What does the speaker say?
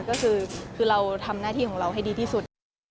ก็คือเราทำหน้าที่ของเราให้ดีที่สุด